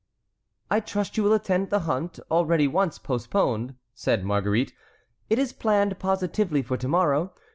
"I trust you will attend the hunt, already once postponed," said Marguerite. "It is planned positively for to morrow.